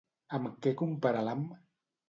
Amb què compara l'ham?